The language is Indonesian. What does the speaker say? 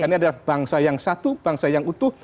karena ini adalah bangsa yang satu bangsa yang utuh